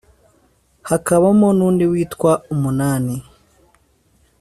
hakabamo n'undi witwa umunani;